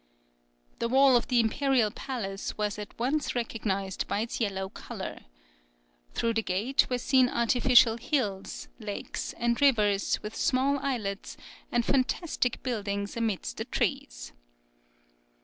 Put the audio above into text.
The wall of the imperial palace was at once recognized by its yellow colour. Through the gate were seen artificial hills, lakes and rivers, with small islets, and fantastic buildings amidst the trees.